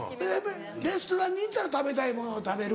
レストランに行ったら食べたいものを食べる。